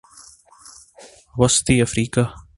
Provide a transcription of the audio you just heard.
وسطی افریقہ